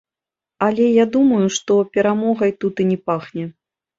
Але я думаю, што перамогай тут і не пахне.